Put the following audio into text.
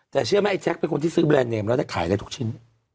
แต่เชื่อไหมไอแจ๊คเป็นคนที่ซื้อแรนดเนมแล้วได้ขายได้ทุกชิ้น